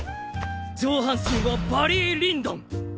上半身は「バリー・リンドン」。